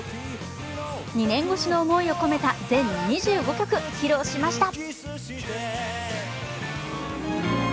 ２年越しの思いを込めた全２５曲、披露しました。